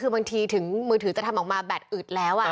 คือบางทีถึงมือถือจะทำออกมาแบตอึดแล้ว